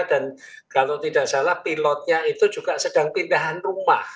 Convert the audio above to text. dan kalau tidak salah pilotnya itu juga sedang pindahan rumah